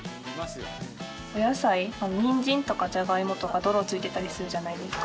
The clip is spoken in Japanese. お野菜にんじんとかじゃがいもとか泥ついてたりするじゃないですか。